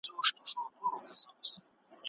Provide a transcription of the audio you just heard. په اثباتي مرحله کي ذهن د علت په لټه کي وي.